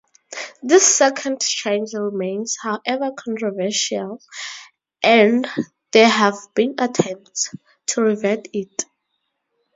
This second change remains however controversial and there have been attempts to revert it.